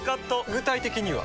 具体的には？